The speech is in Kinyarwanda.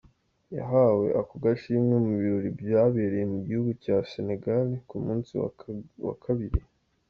Yahawe ako gashimwe mu birori vyabereye mu gihugu ca Senegal ku musi wa kabiri.